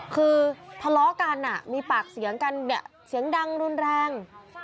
คือทะเลาะกันมีปากเสียงกันเนี่ยเสียงดังรุนแรง